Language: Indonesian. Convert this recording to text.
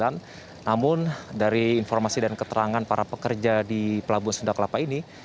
namun dari informasi dan keterangan para pekerja di pelabuhan sunda kelapa ini